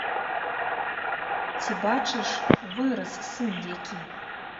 Ці бачыш, вырас сын які?